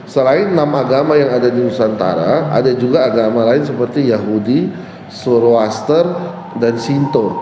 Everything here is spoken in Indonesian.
selain enam agama yang ada di nusantara ada juga agama lain seperti yahudi surawaster dan sinto